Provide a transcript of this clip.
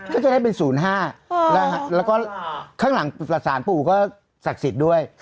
ก็จะได้เป็น๐๕แล้วก็ข้างหลังสารปู่ก็ศักดิ์สิทธิ์ด้วย